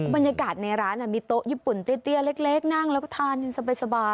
บรรยากาศในร้านมีโต๊ะญี่ปุ่นเตี้ยเล็กนั่งแล้วก็ทานกันสบาย